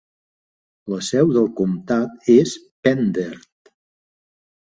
La seu del comtat és Pender.